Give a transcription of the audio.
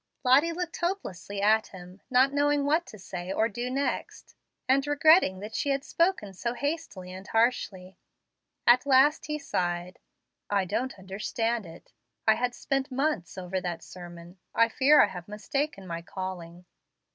Lottie looked hopelessly at him, not knowing what to say or do next, and regretting that she had spoken so hastily and harshly. At last he sighed: "I don't understand it. I had spent months over that sermon. I fear I have mistaken my calling."